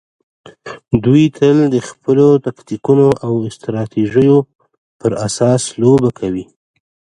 دوی تل د خپلو تکتیکونو او استراتیژیو پر اساس لوبه کوي.